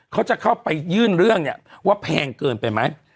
เขาจะเข้าไปยื่นเรื่องเนี่ยว่าแพงเกินไปไหม